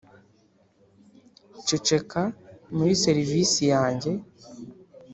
ceceka muri serivisi yanjye